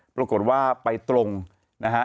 ปรากฏว่าไปตรงนะฮะ